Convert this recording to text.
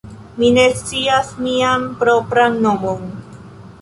mi ne scias mian propran nomon.